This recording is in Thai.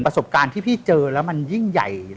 ประสบการณ์ที่พี่เจอแล้วมันยิ่งใหญ่